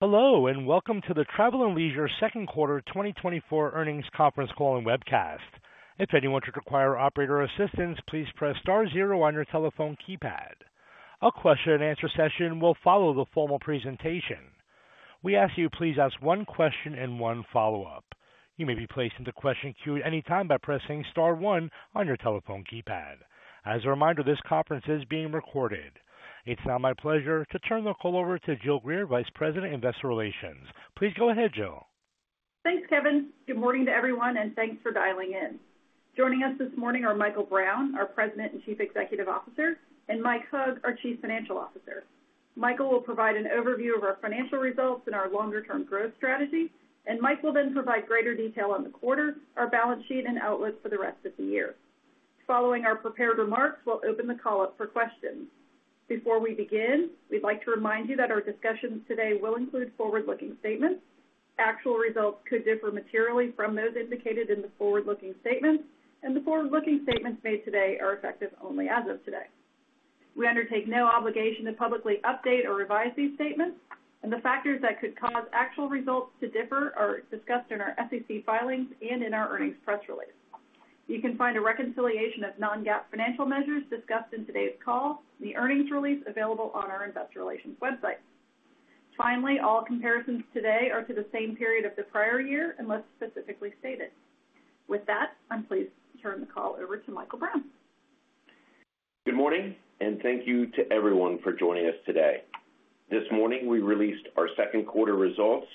Hello, and welcome to the Travel + Leisure second quarter 2024 earnings conference call and webcast. If anyone should require operator assistance, please press star zero on your telephone keypad. A question-and-answer session will follow the formal presentation. We ask you please ask one question and one follow-up. You may be placed into question queue at any time by pressing star one on your telephone keypad. As a reminder, this conference is being recorded. It's now my pleasure to turn the call over to Jill Greer, Vice President, Investor Relations. Please go ahead, Jill. Thanks, Kevin. Good morning to everyone, and thanks for dialing in. Joining us this morning are Michael Brown, our President and Chief Executive Officer, and Mike Hug, our Chief Financial Officer. Michael will provide an overview of our financial results and our longer-term growth strategy, and Mike will then provide greater detail on the quarter, our balance sheet, and outlook for the rest of the year. Following our prepared remarks, we'll open the call up for questions. Before we begin, we'd like to remind you that our discussions today will include forward-looking statements. Actual results could differ materially from those indicated in the forward-looking statements, and the forward-looking statements made today are effective only as of today. We undertake no obligation to publicly update or revise these statements, and the factors that could cause actual results to differ are discussed in our SEC filings and in our earnings press release. You can find a reconciliation of non-GAAP financial measures discussed in today's call. The earnings release available on our investor relations website. Finally, all comparisons today are to the same period of the prior year, unless specifically stated. With that, I'm pleased to turn the call over to Michael Brown. Good morning, and thank you to everyone for joining us today. This morning, we released our second quarter results,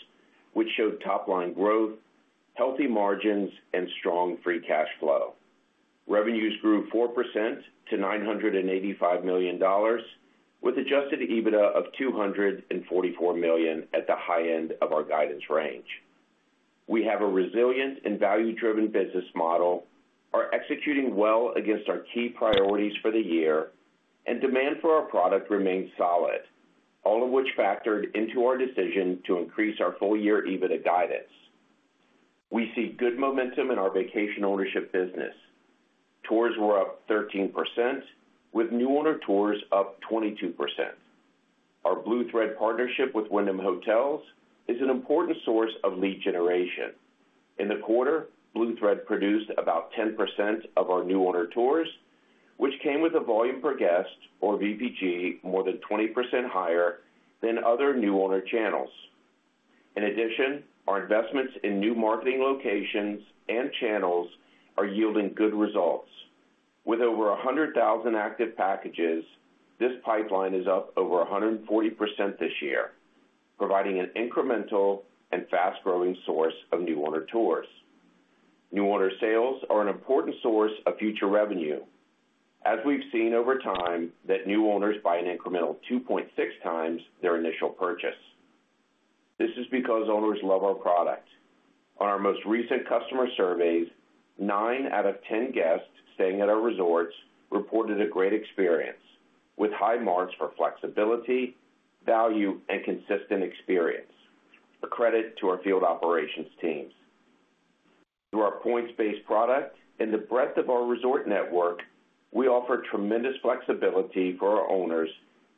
which showed top-line growth, healthy margins, and strong free cash flow. Revenues grew 4% to $985 million, with Adjusted EBITDA of $244 million at the high end of our guidance range. We have a resilient and value-driven business model, are executing well against our key priorities for the year, and demand for our product remains solid, all of which factored into our decision to increase our full-year EBITDA guidance. We see good momentum in our vacation ownership business. Tours were up 13%, with new owner tours up 22%. Our Blue Thread partnership with Wyndham Hotels is an important source of lead generation. In the quarter, Blue Thread produced about 10% of our new owner tours, which came with a volume per guest, or VPG, more than 20% higher than other new owner channels. In addition, our investments in new marketing locations and channels are yielding good results. With over 100,000 active packages, this pipeline is up over 140% this year, providing an incremental and fast-growing source of new owner tours. New owner sales are an important source of future revenue, as we've seen over time that new owners buy an incremental 2.6 times their initial purchase. This is because owners love our product. On our most recent customer surveys, nine out of ten guests staying at our resorts reported a great experience, with high marks for flexibility, value, and consistent experience, a credit to our field operations teams. Through our points-based product and the breadth of our resort network, we offer tremendous flexibility for our owners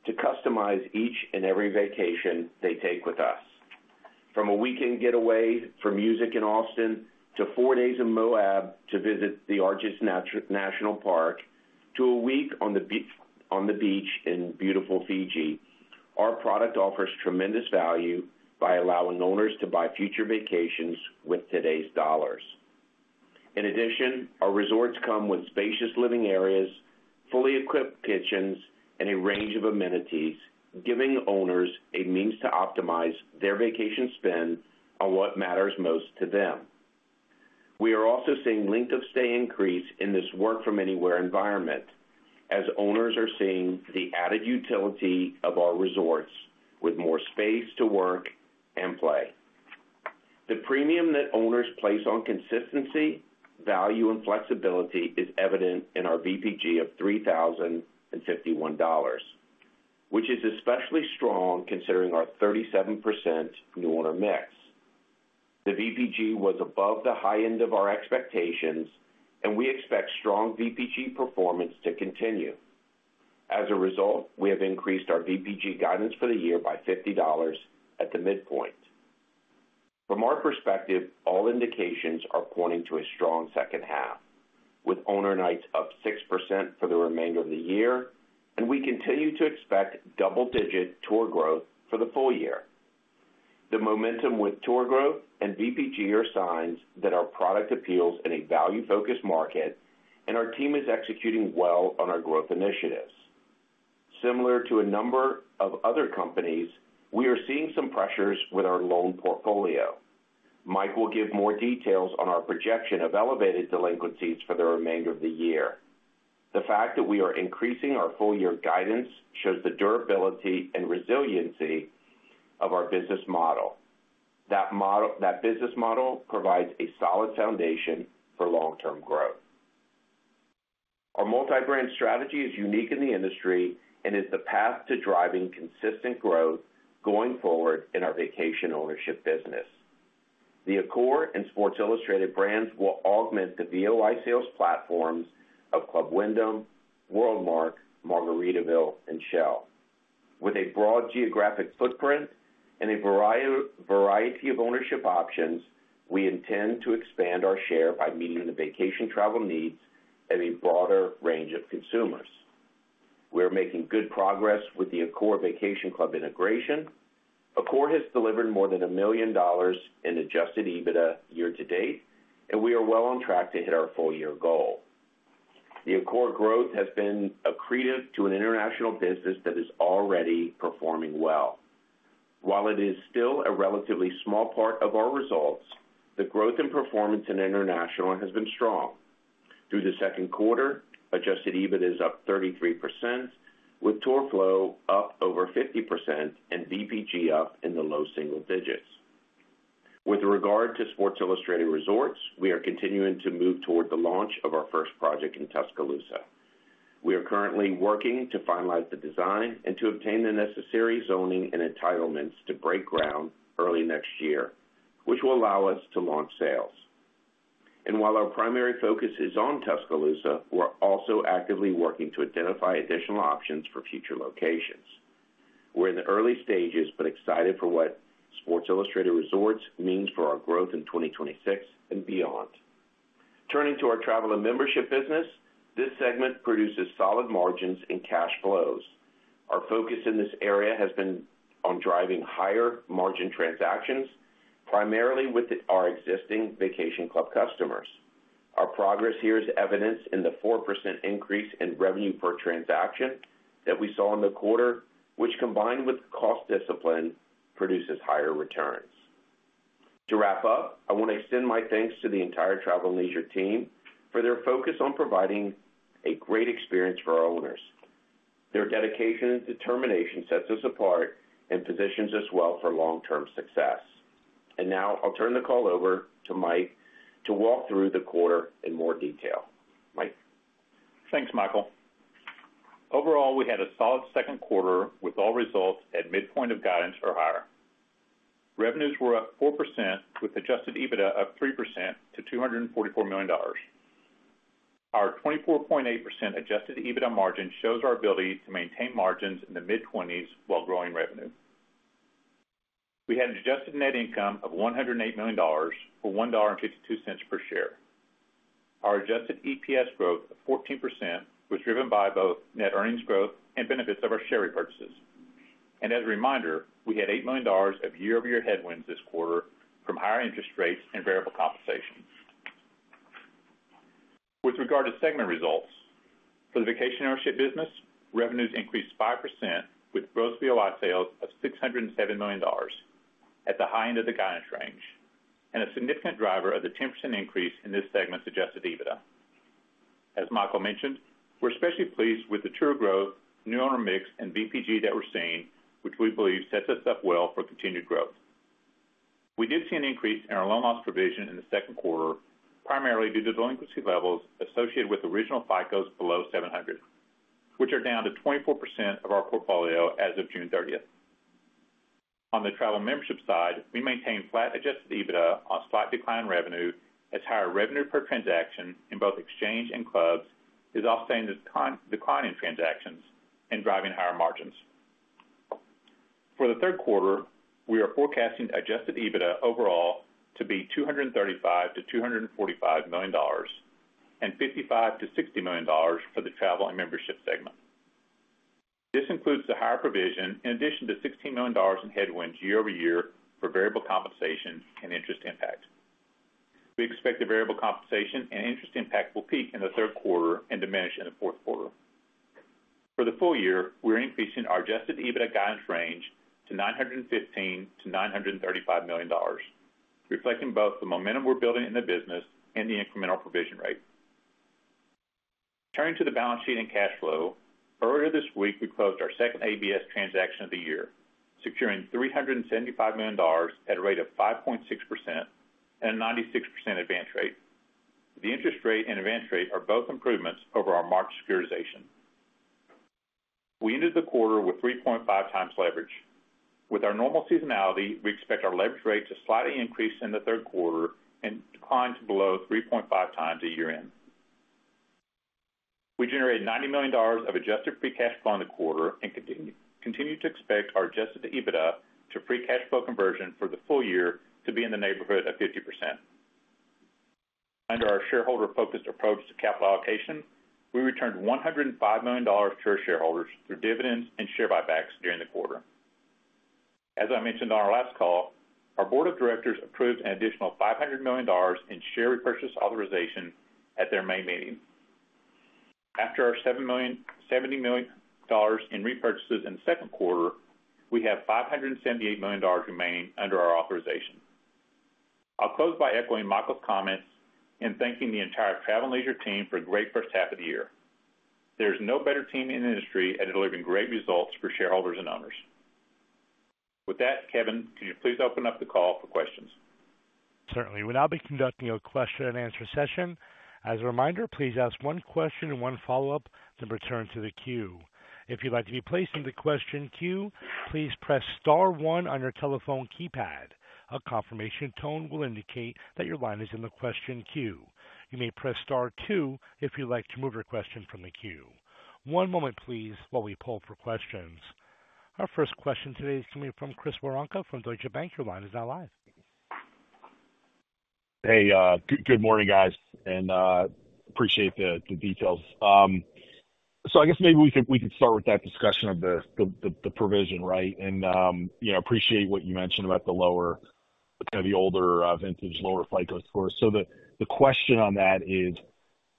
to customize each and every vacation they take with us. From a weekend getaway for music in Austin, to four days in Moab to visit the Arches National Park, to a week on the beach in beautiful Fiji, our product offers tremendous value by allowing owners to buy future vacations with today's dollars. In addition, our resorts come with spacious living areas, fully equipped kitchens, and a range of amenities, giving owners a means to optimize their vacation spend on what matters most to them. We are also seeing length of stay increase in this work-from-anywhere environment, as owners are seeing the added utility of our resorts with more space to work and play. The premium that owners place on consistency, value, and flexibility is evident in our VPG of $3,051, which is especially strong considering our 37% new owner mix. The VPG was above the high end of our expectations, and we expect strong VPG performance to continue. As a result, we have increased our VPG guidance for the year by $50 at the midpoint. From our perspective, all indications are pointing to a strong second half, with owner nights up 6% for the remainder of the year, and we continue to expect double-digit tour growth for the full year. The momentum with tour growth and VPG are signs that our product appeals in a value-focused market and our team is executing well on our growth initiatives. Similar to a number of other companies, we are seeing some pressures with our loan portfolio. Mike will give more details on our projection of elevated delinquencies for the remainder of the year. The fact that we are increasing our full-year guidance shows the durability and resiliency of our business model. That model—that business model provides a solid foundation for long-term growth. Our multi-brand strategy is unique in the industry and is the path to driving consistent growth going forward in our vacation ownership business... The Accor and Sports Illustrated brands will augment the VOI sales platforms of Club Wyndham, WorldMark, Margaritaville, and Shell. With a broad geographic footprint and a variety of ownership options, we intend to expand our share by meeting the vacation travel needs and a broader range of consumers. We are making good progress with the Accor Vacation Club integration. Accor has delivered more than $1 million in Adjusted EBITDA year-to-date, and we are well on track to hit our full year goal. The Accor growth has been accretive to an international business that is already performing well. While it is still a relatively small part of our results, the growth in performance in international has been strong. Through the second quarter, Adjusted EBITDA is up 33%, with tour flow up over 50% and VPG up in the low single digits. With regard to Sports Illustrated Resorts, we are continuing to move toward the launch of our first project in Tuscaloosa. We are currently working to finalize the design and to obtain the necessary zoning and entitlements to break ground early next year, which will allow us to launch sales. While our primary focus is on Tuscaloosa, we're also actively working to identify additional options for future locations. We're in the early stages, but excited for what Sports Illustrated Resorts means for our growth in 2026 and beyond. Turning to our travel and membership business, this segment produces solid margins and cash flows. Our focus in this area has been on driving higher margin transactions, primarily with our existing vacation club customers. Our progress here is evidenced in the 4% increase in revenue per transaction that we saw in the quarter, which, combined with cost discipline, produces higher returns. To wrap up, I want to extend my thanks to the entire Travel + Leisure team for their focus on providing a great experience for our owners. Their dedication and determination sets us apart and positions us well for long-term success. Now I'll turn the call over to Mike to walk through the quarter in more detail. Mike? Thanks, Michael. Overall, we had a solid second quarter, with all results at midpoint of guidance or higher. Revenues were up 4%, with Adjusted EBITDA up 3% to $244 million. Our 24.8% Adjusted EBITDA margin shows our ability to maintain margins in the mid-twenties while growing revenue. We had Adjusted Net Income of $108 million, or $1.52 per share. Our Adjusted EPS growth of 14% was driven by both net earnings growth and benefits of our share repurchases. And as a reminder, we had $8 million of year-over-year headwinds this quarter from higher interest rates and variable compensation. With regard to segment results, for the vacation ownership business, revenues increased 5%, with gross VOI sales of $607 million at the high end of the guidance range, and a significant driver of the 10% increase in this segment's Adjusted EBITDA. As Michael mentioned, we're especially pleased with the tour growth, new owner mix, and VPG that we're seeing, which we believe sets us up well for continued growth. We did see an increase in our loan loss provision in the second quarter, primarily due to delinquency levels associated with original FICOs below 700, which are down to 24% of our portfolio as of June 30. On the travel membership side, we maintained flat Adjusted EBITDA on a slight decline in revenue, as higher revenue per transaction in both exchange and clubs is offsetting the declining transactions and driving higher margins. For the third quarter, we are forecasting Adjusted EBITDA overall to be $235 million-$245 million and $55 million-$60 million for the Travel and Membership segment. This includes the higher provision in addition to $16 million in headwinds year-over-year for variable compensation and interest impact. We expect the variable compensation and interest impact will peak in the third quarter and diminish in the fourth quarter. For the full year, we're increasing our Adjusted EBITDA guidance range to $915 million-$935 million, reflecting both the momentum we're building in the business and the incremental provision rate. Turning to the balance sheet and cash flow, earlier this week, we closed our second ABS transaction of the year, securing $375 million at a rate of 5.6% and a 96% advance rate. The interest rate and advance rate are both improvements over our March securitization. We ended the quarter with 3.5x leverage. With our normal seasonality, we expect our leverage rate to slightly increase in the third quarter and decline to below 3.5x at year-end. We generated $90 million of Adjusted Free Cash fFlow in the quarter and continue to expect our Adjusted EBITDA to free cash flow conversion for the full year to be in the neighborhood of 50%. Under our shareholder-focused approach to capital allocation, we returned $105 million to our shareholders through dividends and share buybacks during the quarter. As I mentioned on our last call, our board of directors approved an additional $500 million in share repurchase authorization at their May meeting. After our seventy million dollars in repurchases in the second quarter, we have $578 million remaining under our authorization. I'll close by echoing Michael's comments and thanking the entire Travel + Leisure team for a great first half of the year. There's no better team in the industry at delivering great results for shareholders and owners. With that, Kevin, can you please open up the call for questions? Certainly. We'll now be conducting a question-and-answer session. As a reminder, please ask one question and one follow-up, then return to the queue. If you'd like to be placed in the question queue, please press star one on your telephone keypad. A confirmation tone will indicate that your line is in the question queue. You may press star two if you'd like to remove your question from the queue. One moment, please, while we pull for questions. Our first question today is coming from Chris Woronka from Deutsche Bank. Your line is now live. Hey, good morning, guys, and appreciate the details. So I guess maybe we could start with that discussion of the provision, right? And, you know, appreciate what you mentioned about the lower, kind of the older vintage, lower FICO score. So the question on that is,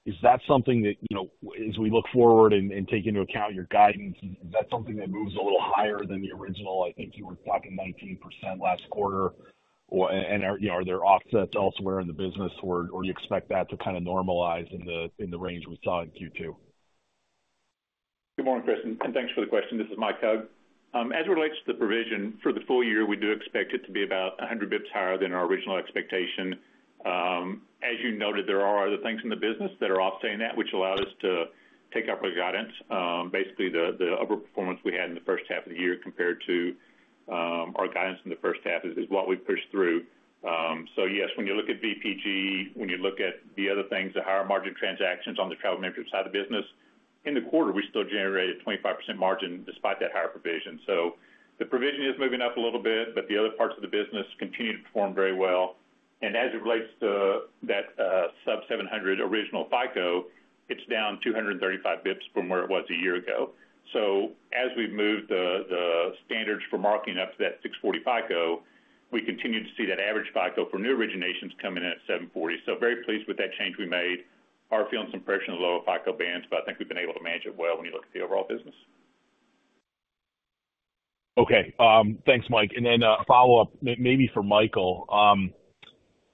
is that something that, you know, as we look forward and take into account your guidance, is that something that moves a little higher than the original? I think you were talking 19% last quarter. Or, and, you know, are there offsets elsewhere in the business or do you expect that to kind of normalize in the range we saw in Q2? Good morning, Chris, and thanks for the question. This is Mike Hug. As it relates to the provision for the full year, we do expect it to be about 100 basis points higher than our original expectation. As you noted, there are other things in the business that are offsetting that, which allowed us to take up our guidance. Basically, the upper performance we had in the first half of the year compared to our guidance in the first half is what we pushed through. So yes, when you look at VPG, when you look at the other things, the higher margin transactions on the travel management side of the business, in the quarter, we still generated a 25% margin despite that higher provision. So the provision is moving up a little bit, but the other parts of the business continue to perform very well. And as it relates to that, sub-700 original FICO, it's down 235 basis points from where it was a year ago. So as we've moved the standards for marking up to that 640 FICO, we continue to see that average FICO for new originations coming in at 740. So very pleased with that change we made. Are feeling some pressure in the lower FICO bands, but I think we've been able to manage it well when you look at the overall business. Okay. Thanks, Mike. And then, a follow-up maybe for Michael.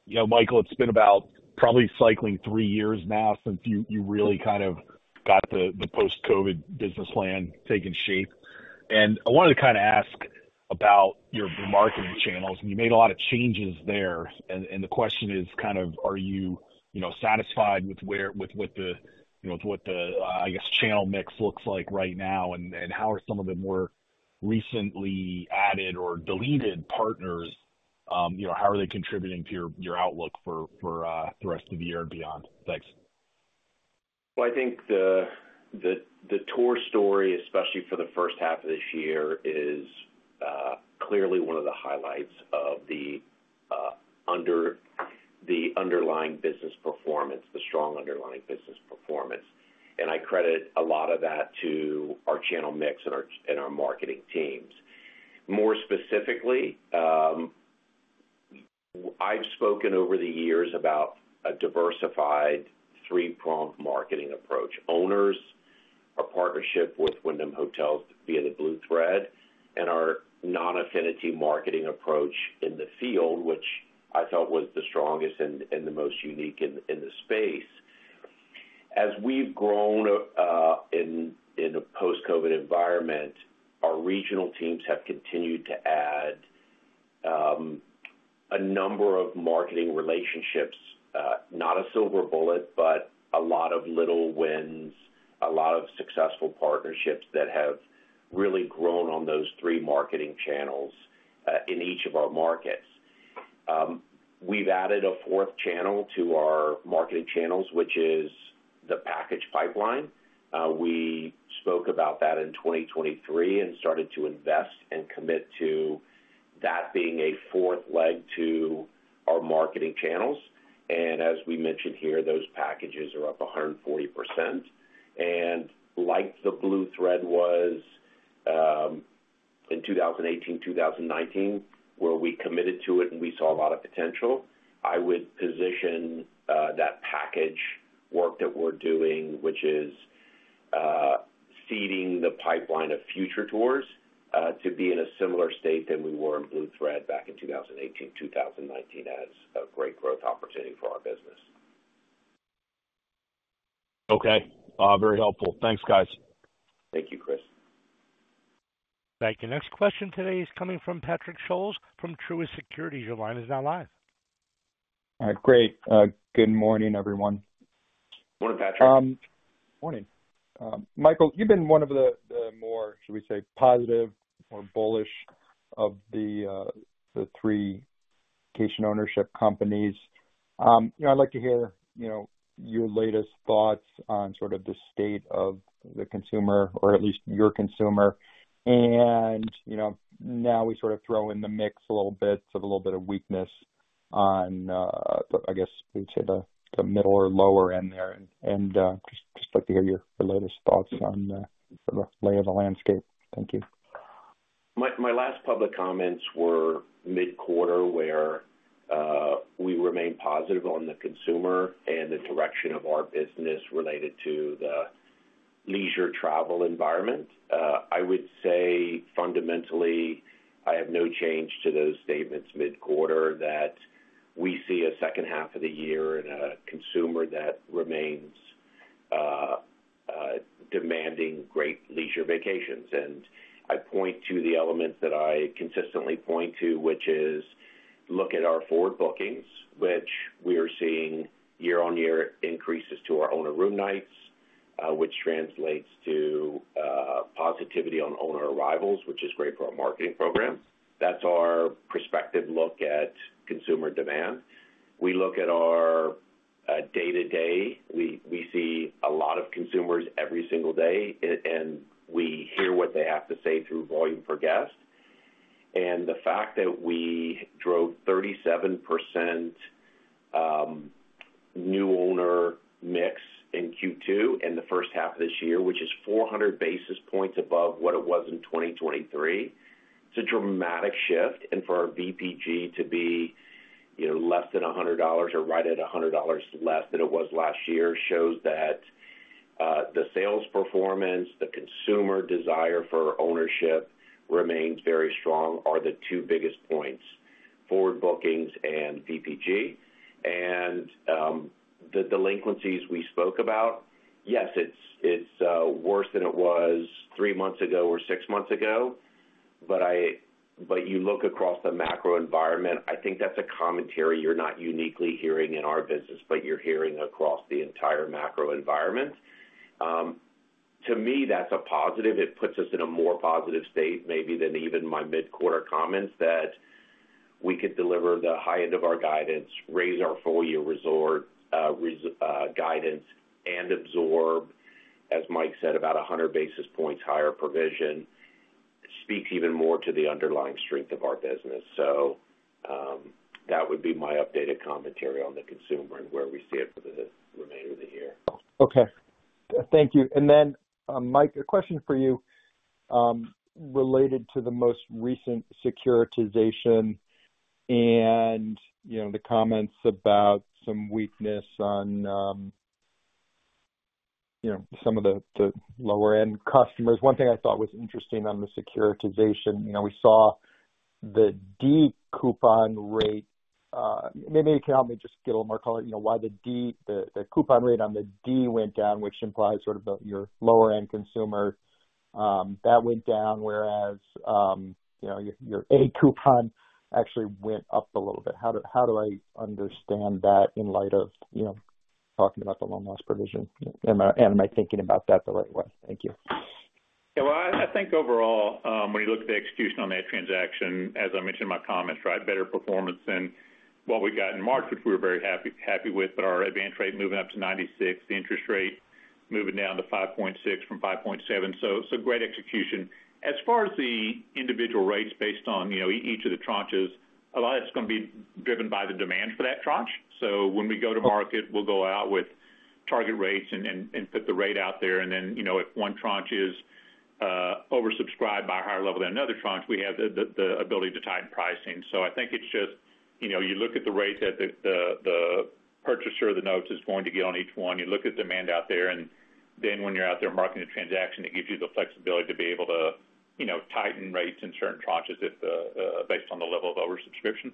You know, Michael, it's been about probably cycling three years now since you really kind of got the post-COVID business plan taking shape. And I wanted to kind of ask about your marketing channels, and you made a lot of changes there. The question is kind of: are you, you know, satisfied with where, with the, you know, with what the, I guess, channel mix looks like right now? And how are some of the more recently added or deleted partners, you know, how are they contributing to your outlook for the rest of the year and beyond? Thanks. Well, I think the tour story, especially for the first half of this year, is clearly one of the highlights of the underlying business performance, the strong underlying business performance. And I credit a lot of that to our channel mix and our marketing teams. More specifically, I've spoken over the years about a diversified three-pronged marketing approach. Owners, our partnership with Wyndham Hotels via the Blue Thread, and our non-affinity marketing approach in the field, which I felt was the strongest and the most unique in the space. As we've grown in a post-COVID environment, our regional teams have continued to add a number of marketing relationships. Not a silver bullet, but a lot of little wins, a lot of successful partnerships that have really grown on those three marketing channels, in each of our markets. We've added a fourth channel to our marketing channels, which is the package pipeline. We spoke about that in 2023 and started to invest and commit to that being a fourth leg to our marketing channels. And as we mentioned here, those packages are up 140%. And like the Blue Thread was, in 2018, 2019, where we committed to it and we saw a lot of potential, I would position, that package work that we're doing, which is, seeding the pipeline of future tours, to be in a similar state than we were in Blue Thread back in 2018, 2019, as a great growth opportunity for our business. Okay, very helpful. Thanks, guys. Thank you, Chris. Thank you. Next question today is coming from Patrick Scholes from Truist Securities. Your line is now live. All right, great. Good morning, everyone. Morning, Patrick. Morning. Michael, you've been one of the more, should we say, positive or bullish of the three vacation ownership companies. You know, I'd like to hear, you know, your latest thoughts on sort of the state of the consumer or at least your consumer. You know, now we sort of throw in the mix a little bit, a little bit of weakness on, I guess you'd say, the middle or lower end there. Just like to hear your latest thoughts on the lay of the landscape. Thank you. My, my last public comments were mid-quarter, where we remained positive on the consumer and the direction of our business related to the leisure travel environment. I would say, fundamentally, I have no change to those statements mid-quarter, that we see a second half of the year and a consumer that remains demanding great leisure vacations. And I point to the elements that I consistently point to, which is look at our forward bookings, which we are seeing year-on-year increases to our owner room nights, which translates to positivity on owner arrivals, which is great for our marketing program. That's our prospective look at consumer demand. We look at our day-to-day. We see a lot of consumers every single day, and we hear what they have to say through volume per guest. The fact that we drove 37% new owner mix in Q2 in the first half of this year, which is 400 basis points above what it was in 2023, it's a dramatic shift. And for our VPG to be, you know, less than $100 or right at $100 less than it was last year, shows that the sales performance, the consumer desire for ownership remains very strong, are the two biggest points, forward bookings and VPG. And the delinquencies we spoke about, yes, it's worse than it was 3 months ago or 6 months ago, but you look across the macro environment, I think that's a commentary you're not uniquely hearing in our business, but you're hearing across the entire macro environment. To me, that's a positive. It puts us in a more positive state, maybe more than even my mid-quarter comments, that we could deliver the high end of our guidance, raise our full-year resort guidance, and absorb, as Mike said, about 100 basis points higher provision, speaks even more to the underlying strength of our business. So, that would be my updated commentary on the consumer and where we see it for the remainder of the year. Okay. Thank you. And then, Mike, a question for you, related to the most recent securitization and, you know, the comments about some weakness on, you know, some of the, the lower-end customers. One thing I thought was interesting on the securitization, you know, we saw the D coupon rate, maybe you can help me just get a little more color, you know, why the D, the coupon rate on the D went down, which implies sort of the, your lower-end consumer, that went down, whereas, you know, your, your A coupon actually went up a little bit. How do I understand that in light of, you know, talking about the loan loss provision? Am I thinking about that the right way? Thank you. Yeah, well, I think overall, when you look at the execution on that transaction, as I mentioned in my comments, right, better performance than what we got in March, which we were very happy with. But our advance rate moving up to 96%, the interest rate moving down to 5.6% from 5.7%, so great execution. As far as the individual rates based on, you know, each of the tranches, a lot of it's gonna be driven by the demand for that tranche. So when we go to market, we'll go out with target rates and put the rate out there, and then, you know, if one tranche is oversubscribed by a higher level than another tranche, we have the ability to tighten pricing. So I think it's just, you know, you look at the rates that the purchaser of the notes is going to get on each one. You look at demand out there, and then when you're out there marketing the transaction, it gives you the flexibility to be able to, you know, tighten rates in certain tranches if, based on the level of oversubscription.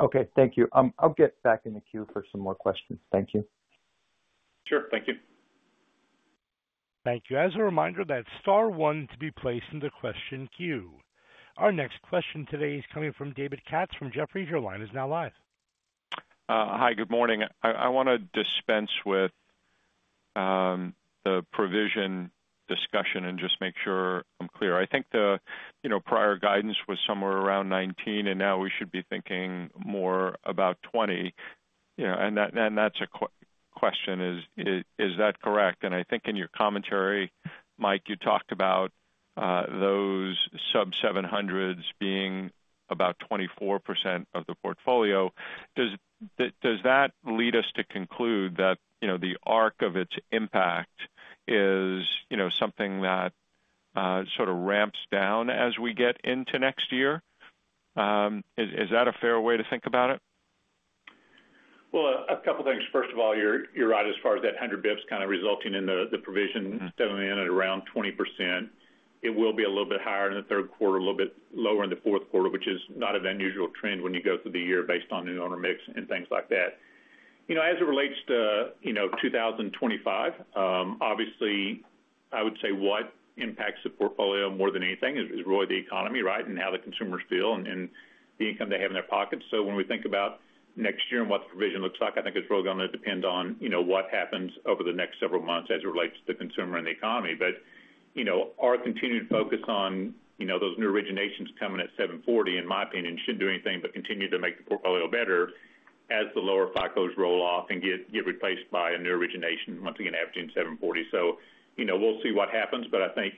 Okay, thank you. I'll get back in the queue for some more questions. Thank you. Sure. Thank you. Thank you. As a reminder, that's star one to be placed in the question queue. Our next question today is coming from David Katz from Jefferies. Your line is now live. Hi, good morning. I wanna dispense with the provision discussion and just make sure I'm clear. I think the, you know, prior guidance was somewhere around 19, and now we should be thinking more about 20, you know, and that's a question: is that correct? And I think in your commentary, Mike, you talked about those sub-700s being about 24% of the portfolio. Does that lead us to conclude that, you know, the arc of its impact is, you know, something that sort of ramps down as we get into next year? Is that a fair way to think about it? Well, a couple things. First of all, you're right as far as that 100 bips kind of resulting in the provision settling in at around 20%. It will be a little bit higher in the third quarter, a little bit lower in the fourth quarter, which is not an unusual trend when you go through the year based on new owner mix and things like that. You know, as it relates to, you know, 2025, obviously, I would say what impacts the portfolio more than anything is really the economy, right? And how the consumers feel and the income they have in their pockets. So when we think about next year and what the provision looks like, I think it's really gonna depend on, you know, what happens over the next several months as it relates to the consumer and the economy. But, you know, our continued focus on, you know, those new originations coming at 740, in my opinion, shouldn't do anything but continue to make the portfolio better as the lower FICO scores roll off and get replaced by a new origination, once again, averaging 740. So, you know, we'll see what happens, but I think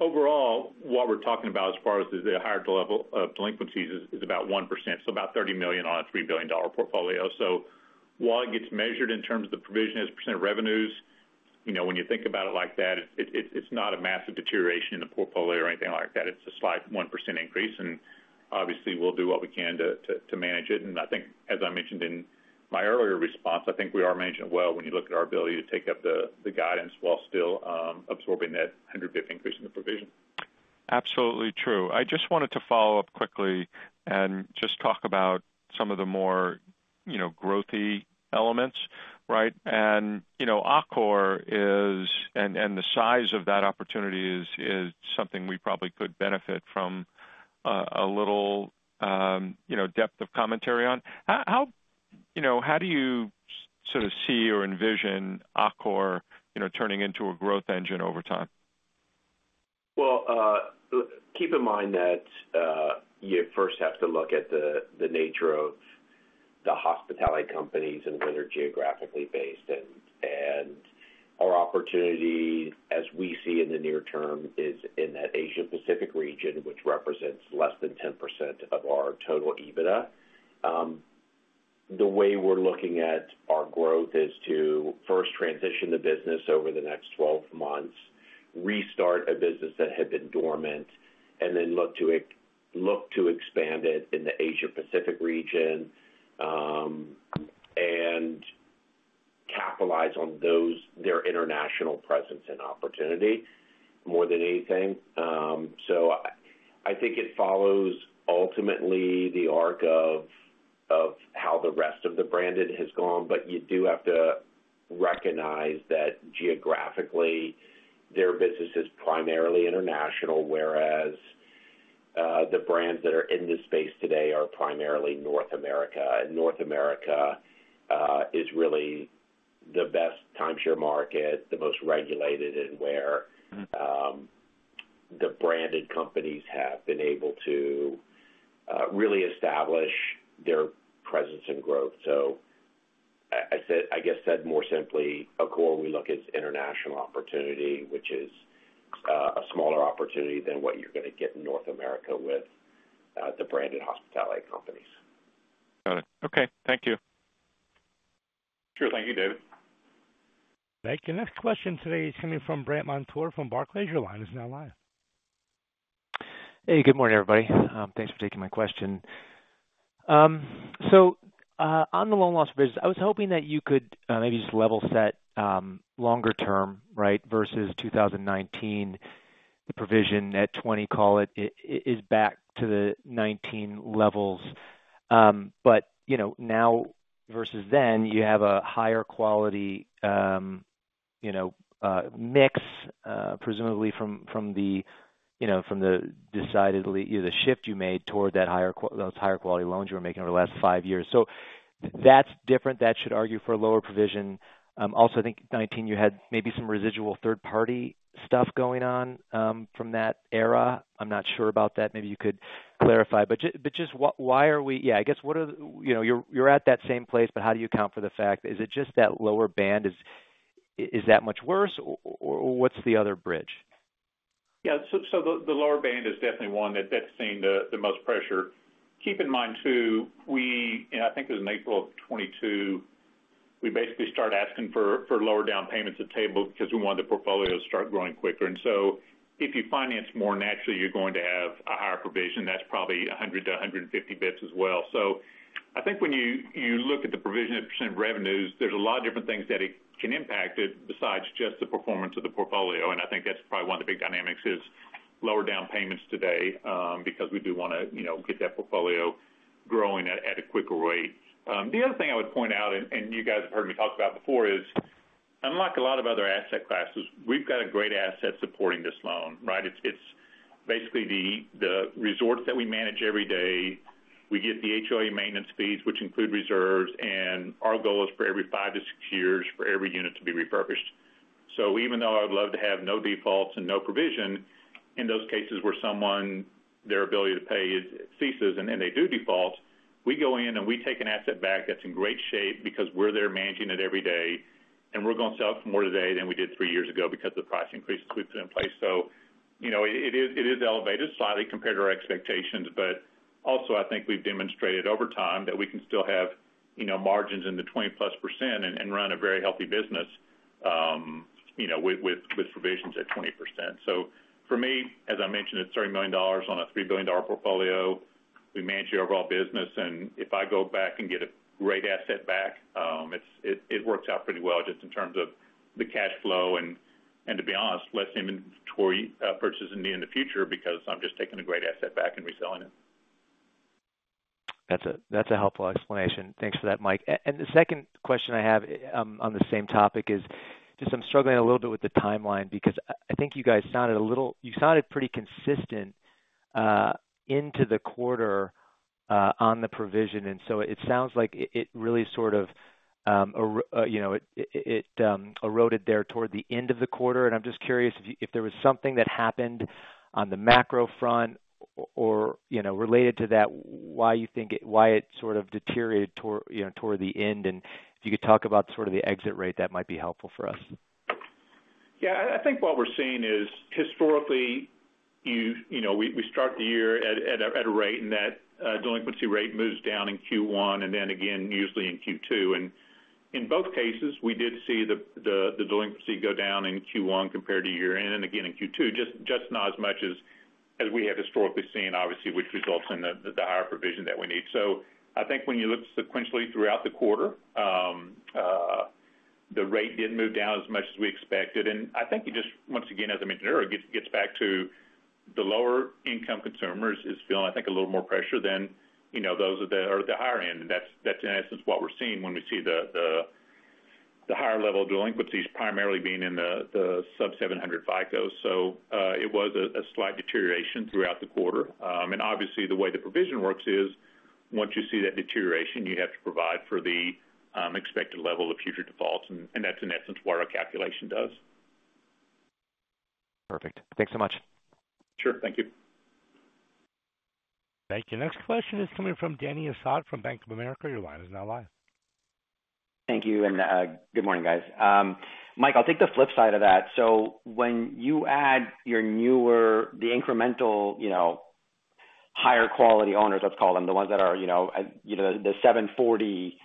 overall, what we're talking about as far as the higher level of delinquencies is about 1%, so about $30 million on a $3 billion portfolio. So while it gets measured in terms of the provision as a percent of revenues, you know, when you think about it like that, it's not a massive deterioration in the portfolio or anything like that. It's a slight 1% increase, and obviously, we'll do what we can to manage it. And I think as I mentioned in my earlier response, I think we are managing it well when you look at our ability to take up the guidance while still absorbing that 100 basis point increase in the provision. Absolutely true. I just wanted to follow up quickly and just talk about some of the more you know, growthy elements, right? And, you know, Accor is – and the size of that opportunity is something we probably could benefit from, a little, you know, depth of commentary on. How, you know, how do you sort of see or envision Accor, you know, turning into a growth engine over time? Well, keep in mind that you first have to look at the nature of the hospitality companies and where they're geographically based. Our opportunity, as we see in the near term, is in that Asia Pacific region, which represents less than 10% of our total EBITDA. The way we're looking at our growth is to first transition the business over the next 12 months, restart a business that had been dormant, and then look to expand it in the Asia Pacific region, and capitalize on their international presence and opportunity, more than anything. So I think it follows ultimately the arc of how the rest of the branded has gone, but you do have to recognize that geographically, their business is primarily international, whereas the brands that are in this space today are primarily North America. And North America is really the best timeshare market, the most regulated, and where- Mm-hmm... the branded companies have been able to really establish their presence and growth. So, I guess said more simply, Accor, we look at its international opportunity, which is a smaller opportunity than what you're gonna get in North America with the branded hospitality companies. Got it. Okay. Thank you. Sure. Thank you, David. Thank you. Next question today is coming from Brandt Montour, from Barclays. Your line is now live. Hey, good morning, everybody. Thanks for taking my question. So, on the loan loss business, I was hoping that you could, maybe just level set, longer term, right, versus 2019. The provision at 20, call it, it is back to the 2019 levels. But you know, now versus then, you have a higher quality, you know, mix, presumably from the decidedly, the shift you made toward those higher quality loans you were making over the last 5 years. So that's different. That should argue for a lower provision. Also, I think 2019, you had maybe some residual third-party stuff going on, from that era. I'm not sure about that. Maybe you could clarify. But just why, why are we... Yeah, I guess, what are you know, you're at that same place, but how do you account for the fact? Is it just that lower band? Is that much worse, or what's the other bridge? Yeah, so the lower band is definitely one that's seeing the most pressure. Keep in mind, too, we... And I think it was in April of 2022, we basically started asking for lower down payments at table because we wanted the portfolio to start growing quicker. And so if you finance more, naturally, you're going to have a higher provision. That's probably 100 to 150 basis points as well. So I think when you look at the provision as percent of revenues, there's a lot of different things that it can impact it besides just the performance of the portfolio. And I think that's probably one of the big dynamics is lower down payments today, because we do wanna, you know, get that portfolio growing at a quicker rate. The other thing I would point out, and you guys have heard me talk about before, is unlike a lot of other asset classes, we've got a great asset supporting this loan, right? It's basically the resorts that we manage every day. We get the HOA maintenance fees, which include reserves, and our goal is for every 5-6 years, for every unit to be refurbished. So even though I would love to have no defaults and no provision, in those cases where someone, their ability to pay ceases and then they do default, we go in and we take an asset back that's in great shape because we're there managing it every day, and we're gonna sell it for more today than we did 3 years ago because of the price increases we've put in place. So, you know, it is, it is elevated slightly compared to our expectations, but also I think we've demonstrated over time that we can still have, you know, margins in the 20%+ and run a very healthy business, you know, with provisions at 20%. So for me, as I mentioned, it's $30 million on a $3 billion portfolio. We manage the overall business, and if I go back and get a great asset back, it works out pretty well just in terms of the cash flow and, to be honest, less inventory purchasing for me in the future because I'm just taking a great asset back and reselling it. That's a helpful explanation. Thanks for that, Mike. And the second question I have on the same topic is just I'm struggling a little bit with the timeline because I think you guys sounded a little—you sounded pretty consistent into the quarter on the provision, and so it sounds like it really sort of, you know, eroded there toward the end of the quarter. And I'm just curious if there was something that happened on the macro front or, you know, related to that, why you think it—why it sort of deteriorated toward, you know, toward the end? And if you could talk about sort of the exit rate, that might be helpful for us. Yeah, I think what we're seeing is, historically, you know, we start the year at a rate, and that delinquency rate moves down in Q1 and then again usually in Q2. And in both cases, we did see the delinquency go down in Q1 compared to year-end and again in Q2, just not as much as we have historically seen, obviously, which results in the higher provision that we need. So I think when you look sequentially throughout the quarter, the rate didn't move down as much as we expected. And I think you just, once again, as I mentioned earlier, it gets back to the lower-income consumers is feeling, I think, a little more pressure than, you know, those that are at the higher end. That's in essence what we're seeing when we see the higher level of delinquencies primarily being in the sub-700 FICO. So, it was a slight deterioration throughout the quarter. And obviously, the way the provision works is, once you see that deterioration, you have to provide for the expected level of future defaults, and that's in essence what our calculation does. Perfect. Thanks so much. Sure. Thank you. Thank you. Next question is coming from Dany Asad from Bank of America. Your line is now live. Thank you, and good morning, guys. Mike, I'll take the flip side of that. So when you add your newer, the incremental, you know, higher quality owners, let's call them, the ones that are, you know, the 740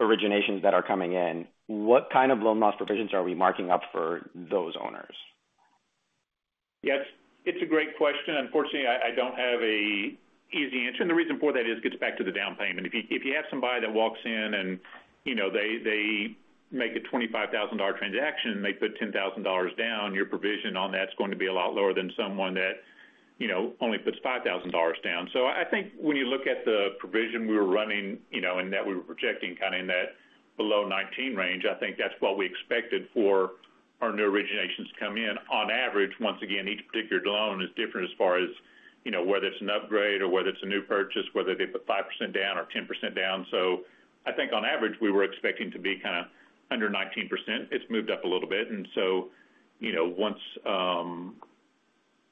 originations that are coming in, what kind of loan loss provisions are we marking up for those owners? Yes, it's a great question. Unfortunately, I don't have an easy answer, and the reason for that is it gets back to the down payment. If you have somebody that walks in and, you know, they make a $25,000 transaction, and they put $10,000 down, your provision on that's going to be a lot lower than someone that, you know, only puts $5,000 down. So I think when you look at the provision we were running, you know, and that we were projecting kind of in that below 19 range, I think that's what we expected for our new originations to come in. On average, once again, each particular loan is different as far as, you know, whether it's an upgrade or whether it's a new purchase, whether they put 5% down or 10% down. So I think on average, we were expecting to be kind of under 19%. It's moved up a little bit, and so, you know, once,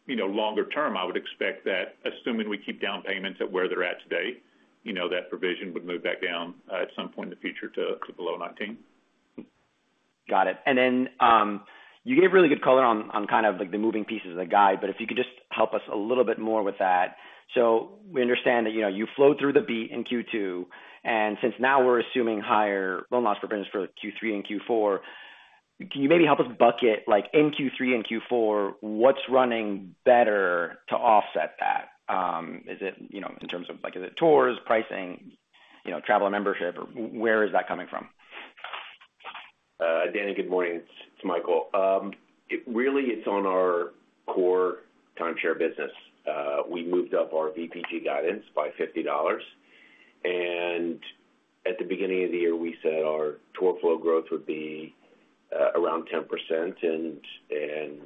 you know, longer term, I would expect that assuming we keep down payments at where they're at today, you know, that provision would move back down, at some point in the future to, to below 19%. Got it. And then, you gave really good color on, on kind of like the moving pieces of the guide, but if you could just help us a little bit more with that. So we understand that, you know, you flowed through the beat in Q2, and since now we're assuming higher loan loss provisions for Q3 and Q4, can you maybe help us bucket, like in Q3 and Q4, what's running better to offset that? Is it, you know, in terms of like, is it tours, pricing, you know, travel and membership, or where is that coming from? Dany, good morning. It's Michael. It really, it's on our core timeshare business. We moved up our VPG guidance by $50, and at the beginning of the year, we said our tour flow growth would be around 10%, and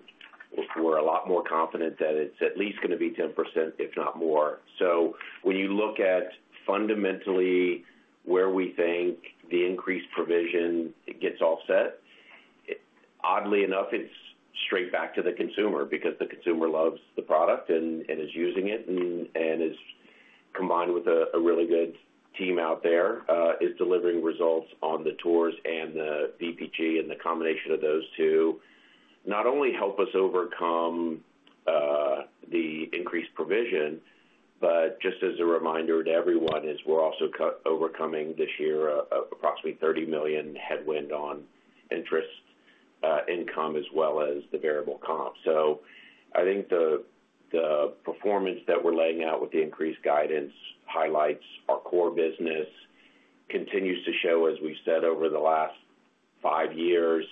we're a lot more confident that it's at least gonna be 10%, if not more. So when you look at fundamentally where we think the increased provision gets offset, it oddly enough, it's straight back to the consumer because the consumer loves the product and is using it and is combined with a really good team out there is delivering results on the tours and the VPG and the combination of those two. Not only help us overcome the increased provision, but just as a reminder to everyone, we're also overcoming this year approximately $30 million headwind on interest income as well as the variable comp. So I think the performance that we're laying out with the increased guidance highlights our core business continues to show, as we've said over the last five years,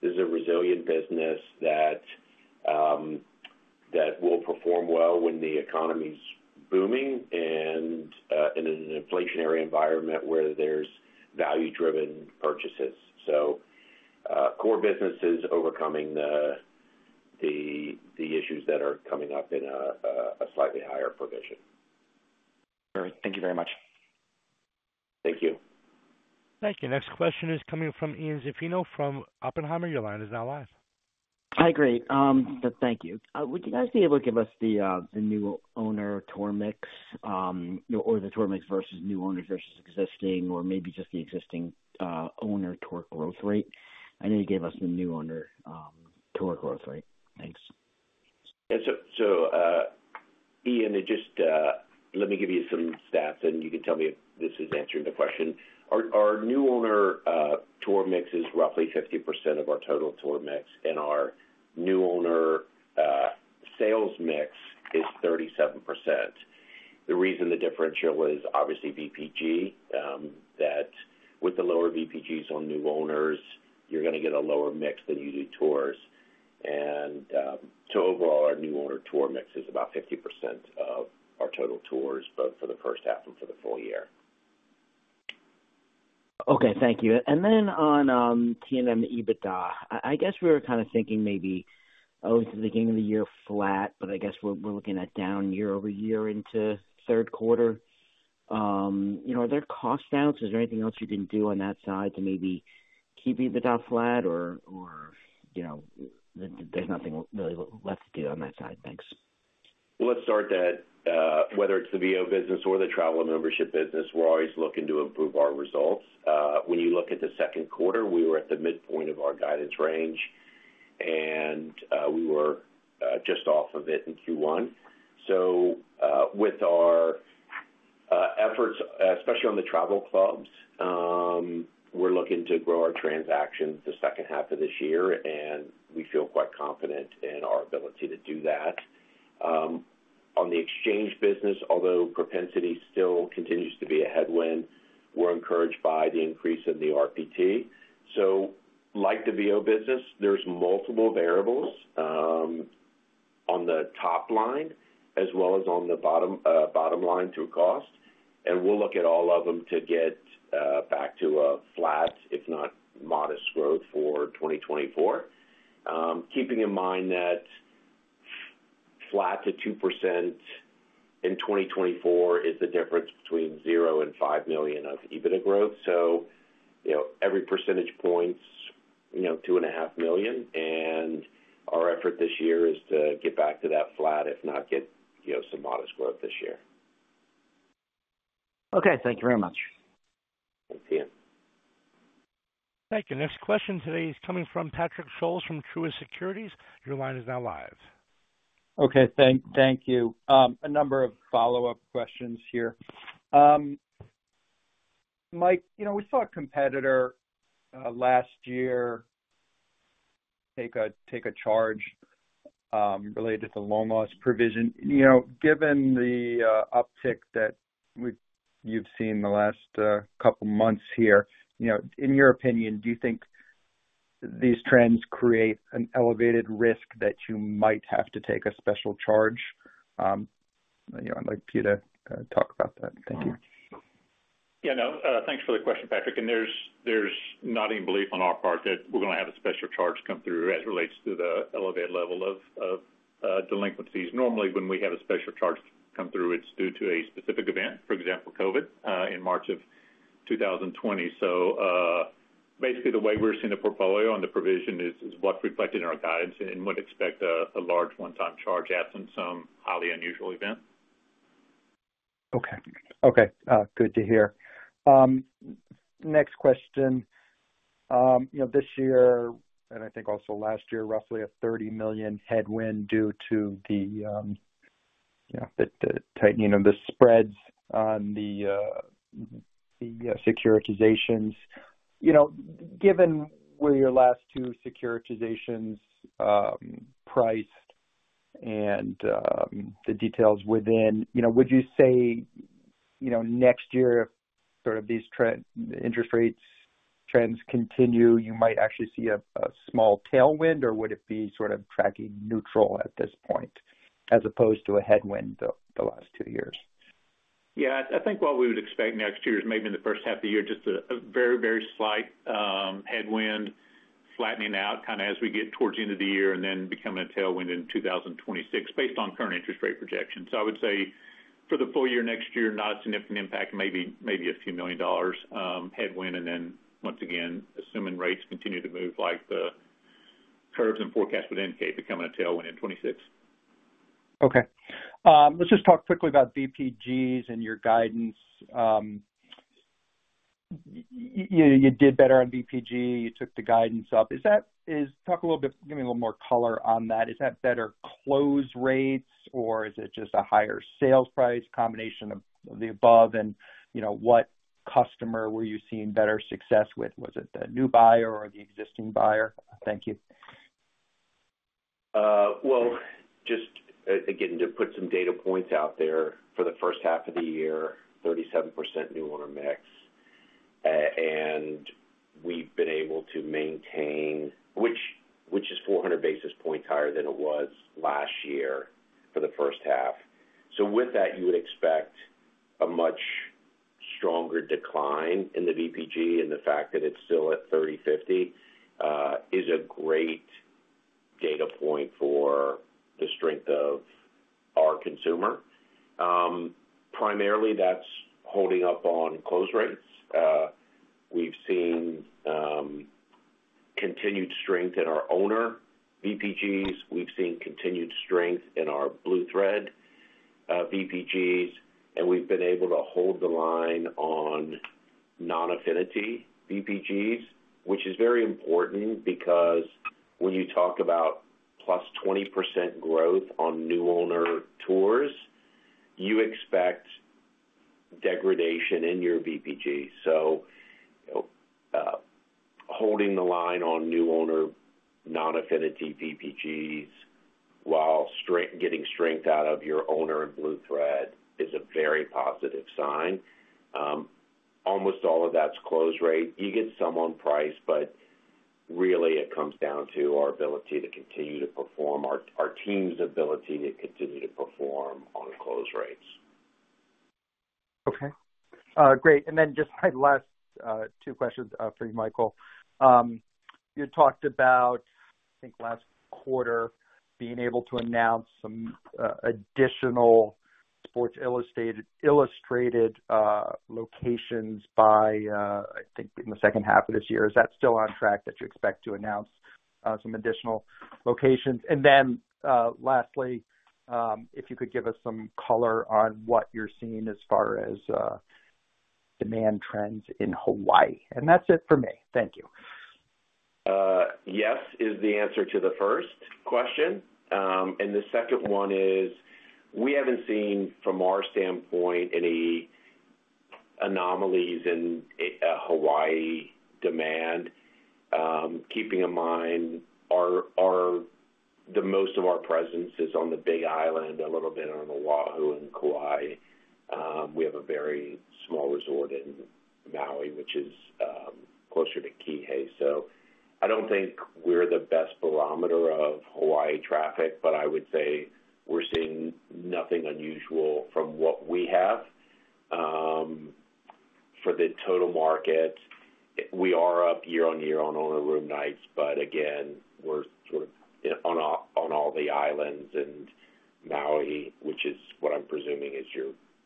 this is a resilient business that will perform well when the economy's booming and in an inflationary environment where there's value-driven purchases. So core business is overcoming the issues that are coming up in a slightly higher provision. All right. Thank you very much. Thank you. Thank you. Next question is coming from Ian Zaffino from Oppenheimer. Your line is now live. Hi, great, thank you. Would you guys be able to give us the new owner tour mix, or the tour mix versus new owners versus existing or maybe just the existing owner tour growth rate? I know you gave us the new owner tour growth rate. Thanks. Yeah, so, Ian, just, let me give you some stats, and you can tell me if this is answering the question. Our new owner tour mix is roughly 50% of our total tour mix, and our new owner sales mix is 37%. The reason the differential is obviously VPG, that with the lower VPGs on new owners, you're gonna get a lower mix than you do tours. So overall, our new owner tour mix is about 50% of our total tours, both for the first half and for the full year. Okay. Thank you. And then on TNL EBITDA, I guess we were kind of thinking maybe over to the beginning of the year, flat, but I guess we're looking at down year-over-year into third quarter. You know, are there cost outs? Is there anything else you can do on that side to maybe keep EBITDA flat or, you know, there's nothing really left to do on that side? Thanks. Well, let's start that, whether it's the VO business or the travel and membership business, we're always looking to improve our results. When you look at the second quarter, we were at the midpoint of our guidance range, and we were just off of it in Q1. So, with our efforts, especially on the travel clubs, we're looking to grow our transactions the second half of this year, and we feel quite confident in our ability to do that. ...On the exchange business, although propensity still continues to be a headwind, we're encouraged by the increase in the RPT. So like the VO business, there's multiple variables, on the top line as well as on the bottom, bottom line through cost, and we'll look at all of them to get, back to a flat, if not modest growth for 2024. Keeping in mind that flat to 2% in 2024 is the difference between $0 and $5 million of EBITDA growth. So, you know, every percentage points, you know, $2.5 million, and our effort this year is to get back to that flat, if not get, you know, some modest growth this year. Okay, thank you very much. Thanks, Ian. Thank you. Next question today is coming from Patrick Scholes from Truist Securities. Your line is now live. Okay, thank you. A number of follow-up questions here. Mike, you know, we saw a competitor last year take a charge related to Loan Loss Provision. You know, given the uptick that you've seen in the last couple months here, you know, in your opinion, do you think these trends create an elevated risk that you might have to take a special charge? You know, I'd like you to talk about that. Thank you. Yeah, no, thanks for the question, Patrick. And there's not any belief on our part that we're going to have a special charge come through as it relates to the elevated level of delinquencies. Normally, when we have a special charge come through, it's due to a specific event, for example, COVID in March of 2020. So, basically, the way we're seeing the portfolio and the provision is what's reflected in our guidance and would expect a large one-time charge absent some highly unusual event. Okay. Okay, good to hear. Next question. You know, this year, and I think also last year, roughly a $30 million headwind due to the, you know, the tightening of the spreads on the securitizations. You know, given where your last two securitizations priced and the details within, you know, would you say, you know, next year, sort of these interest rate trends continue, you might actually see a small tailwind, or would it be sort of tracking neutral at this point, as opposed to a headwind the last two years? Yeah, I think what we would expect next year is maybe in the first half of the year, just a, a very, very slight headwind flattening out kind of as we get towards the end of the year and then becoming a tailwind in 2026 based on current interest rate projections. So I would say for the full year, next year, not a significant impact, maybe, maybe a few million dollars headwind, and then once again, assuming rates continue to move like the curves and forecasts would indicate, becoming a tailwind in 2026. Okay. Let's just talk quickly about VPGs and your guidance. You did better on VPG, you took the guidance up. Is that... Is... Talk a little bit, give me a little more color on that. Is that better close rates, or is it just a higher sales price, combination of the above, and, you know, what customer were you seeing better success with? Was it the new buyer or the existing buyer? Thank you. Well, just, again, to put some data points out there, for the first half of the year, 37% new owner mix, and we've been able to maintain, which is 400 basis points higher than it was last year for the first half. So with that, you would expect a much stronger decline in the VPG, and the fact that it's still at $3,050 is a great data point for the strength of our consumer. Primarily, that's holding up on close rates. We've seen continued strength in our owner VPGs. We've seen continued strength in our Blue Thread VPGs, and we've been able to hold the line on non-affinity VPGs, which is very important because when you talk about +20% growth on new owner tours, you expect degradation in your VPG. So, holding the line on new owner non-affinity VPGs while getting strength out of your owner and Blue Thread is a very positive sign. Almost all of that's close rate. You get some on price, but really it comes down to our ability to continue to perform, our team's ability to continue to perform on close rates. Okay. Great. And then just my last two questions for you, Michael. You talked about, I think, last quarter, being able to announce some additional Sports Illustrated locations by, I think, in the second half of this year. Is that still on track, that you expect to announce some additional locations? And then lastly, if you could give us some color on what you're seeing as far as demand trends in Hawaii. And that's it for me. Thank you. Yes, is the answer to the first question. And the second one is, we haven't seen, from our standpoint, any anomalies in Hawaii demand. Keeping in mind, the most of our presence is on the Big Island, a little bit on Oahu and Kauai. We have a very small resort in Maui, which is closer to Kihei. So I don't think we're the best barometer of Hawaii traffic, but I would say we're seeing nothing unusual from what we have. For the total market, we are up year-on-year on owner room nights, but again, we're sort of on all the islands and Maui, which is what I'm presuming is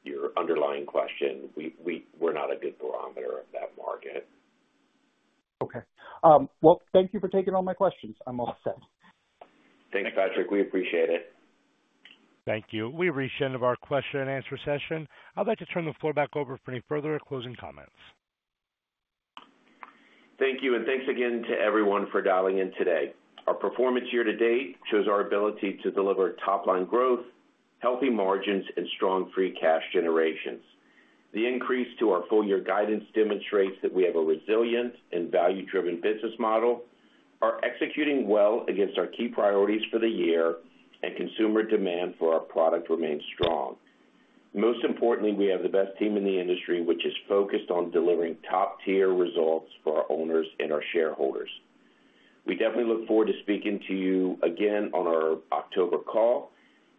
your underlying question. We're not a good barometer of that market. Okay. Well, thank you for taking all my questions. I'm all set. Thanks, Patrick. We appreciate it. Thank you. We've reached the end of our question-and-answer session. I'd like to turn the floor back over for any further closing comments. Thank you, and thanks again to everyone for dialing in today. Our performance year-to-date shows our ability to deliver top-line growth, healthy margins, and strong free cash generations. The increase to our full year guidance demonstrates that we have a resilient and value-driven business model, are executing well against our key priorities for the year, and consumer demand for our product remains strong. Most importantly, we have the best team in the industry, which is focused on delivering top-tier results for our owners and our shareholders. We definitely look forward to speaking to you again on our October call.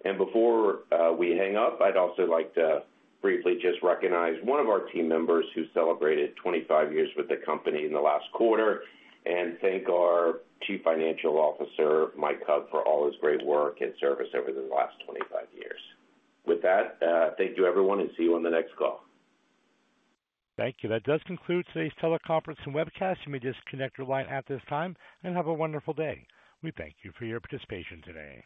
And before we hang up, I'd also like to briefly just recognize one of our team members who celebrated 25 years with the company in the last quarter, and thank our Chief Financial Officer, Mike Hug, for all his great work and service over the last 25 years. With that, thank you, everyone, and see you on the next call. Thank you. That does conclude today's teleconference and webcast. You may disconnect your line at this time, and have a wonderful day. We thank you for your participation today.